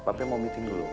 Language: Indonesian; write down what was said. papi mau meeting dulu